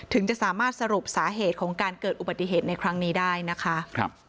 ถึงจะสามารถสรุปสาเหตุของการเกิดอุบัติเหตุในครั้งนี้ได้นะคะ